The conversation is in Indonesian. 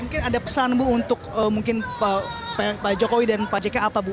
mungkin ada pesan bu untuk mungkin pak jokowi dan pak jk apa bu